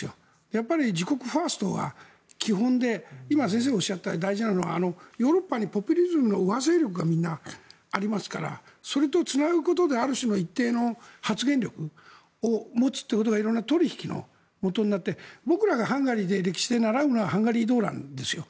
やっぱり自国ファーストが基本で今、先生がおっしゃったので大事なのはヨーロッパにポピュリズムの右派勢力がありますからそれとつなぐことである種の一定の発言力を持つということが色んな取引のもとになって僕らがハンガリーで歴史で習うのはハンガリー動乱ですよ。